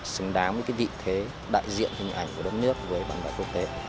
xứng đáng với vị thế đại diện hình ảnh của đất nước về văn hóa cơ thể